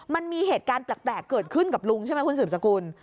มันมีเหตุการณ์แปลกเกิดขึ้นกับลุงใช่ไหมคุณสืบสกุล